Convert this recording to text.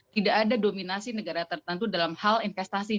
tidak ada dominasi negara tertentu dalam hal investasi